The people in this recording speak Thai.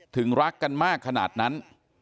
ถึงรักกันมากขนาดนั้น